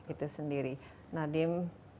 itu sendiri nadiem